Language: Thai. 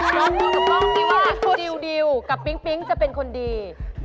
เราพูดกับกล้องดิวกับปิงจะเป็นคนดี